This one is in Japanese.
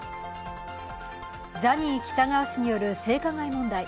ジャニー喜多川氏による性加害問題。